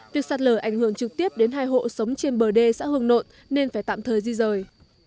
việc sạt lở ảnh hưởng trực tiếp đến hai hộ sống trên bờ đê xã hương nội nên phải tạm thời di rời